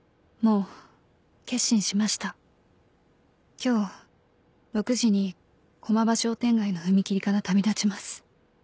「今日６時に駒場商店街の踏切から旅立ちます」